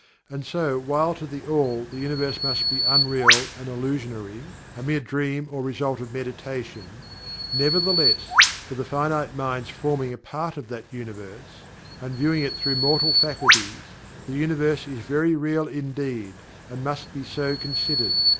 And so while to THE ALL the Universe must be unreal and illusionary, a mere dream or result of meditation, nevertheless, to the finite minds forming a part of that Universe, and viewing it through mortal faculties, the Universe is very real indeed, and must be so considered.